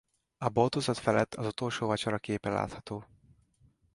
A boltozat felett az Utolsó vacsora képe látható.